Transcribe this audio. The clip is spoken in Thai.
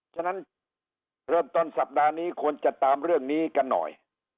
ฉะนั้นเริ่มต้นสัปดาห์นี้ควรจะตามเรื่องนี้กันหน่อย